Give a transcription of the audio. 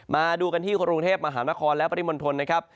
มาดูกันที่กรุงเทพมหานครและปริมณฑลนะครับ